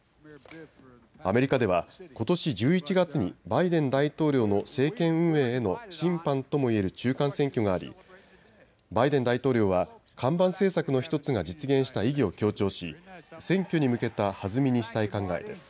アメリカではことし１１月にバイデン大統領の政権運営への審判とも言える中間選挙がありバイデン大統領は看板政策の１つが実現した意義を強調し選挙に向けた弾みにしたい考えです。